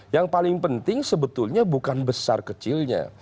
yang paling penting sebetulnya bukan besar kecilnya